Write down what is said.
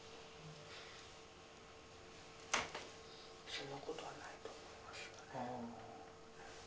そんなことはないと思いますがね。